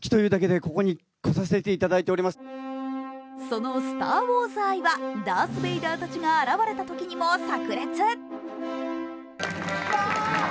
その「スター・ウォーズ」愛はダース・ベイダーたちが現れたときにもさく裂。